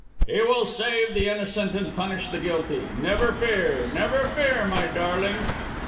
"He will save the innocent and punish the guilty. Never fear, never fear, my darling."